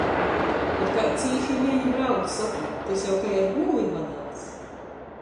Kod kaids cīši lieni brauc, soka: "Tys jau kai ar gūvi vadās."